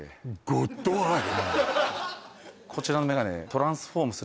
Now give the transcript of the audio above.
はいこちらのメガネ